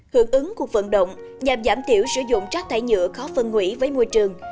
hưởng ứng cuộc vận động nhằm giảm thiểu sử dụng rác thải nhựa khó phân hủy với môi trường